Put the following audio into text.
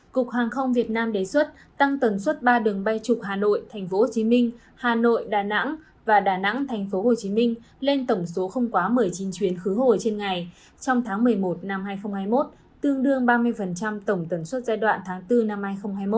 cục hàng không việt nam đề xuất tăng tần suất ba đường bay trục hà nội tp hcm hà nội đà nẵng và đà nẵng tp hcm lên tổng số không quá một mươi chín chuyến khứ hồi trên ngày trong tháng một mươi một năm hai nghìn hai mươi một tương đương ba mươi tổng tần suất giai đoạn tháng bốn năm hai nghìn hai mươi một